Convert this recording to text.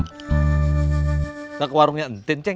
kita ke warungnya entin ceng